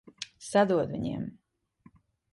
Sadod viņiem!